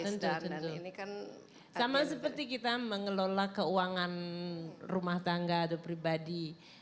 tentu ini kan sama seperti kita mengelola keuangan rumah tangga atau pribadi